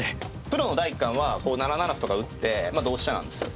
プロの第一感は７七歩とか打って同飛車なんですよ。